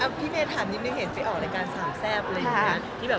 พี่เมย์ถามนิดนึงเห็นไปออกรายการสามแซ่บอะไรอย่างนี้